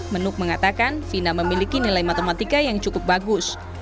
menuk mengatakan vina memiliki nilai matematika yang cukup bagus